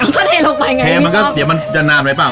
จะทีมันนามเลยปะ